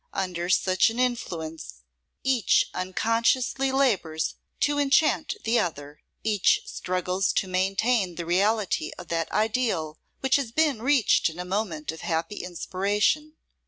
Under such an influence, each unconsciously labours to enchant the other; each struggles to maintain the reality of that ideal which has been reached in a moment of happy inspiration.